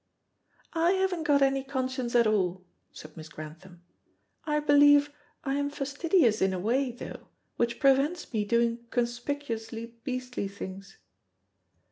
"I haven't got any conscience at all," said Miss Grantham. "I believe I am fastidious in a way, though, which prevents me doing conspicuously beastly things."